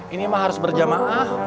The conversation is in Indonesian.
ini mah harus berjamaah